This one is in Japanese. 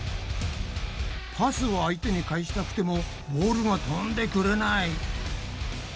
パスを相手に返したくてもボールがとんでくれない。